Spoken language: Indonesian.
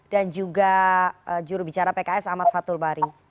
dan juga jurubicara pks ahmad fathul bari